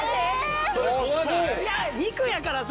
いや肉やからさ。